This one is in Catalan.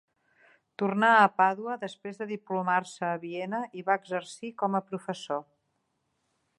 Tornà a Pàdua després de diplomar-se a Viena i va exercir-hi com a professor.